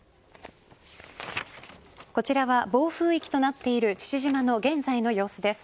こちらは暴風域となっている父島の現在の様子です。